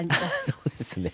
そうですね。